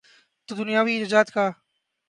تو دنیاوی نجات کا۔